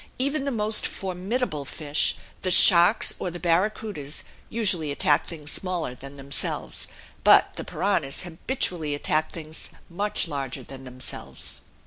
Even the most formidable fish, the sharks or the barracudas, usually attack things smaller than themselves. But the piranhas habitually attack things much larger than themselves.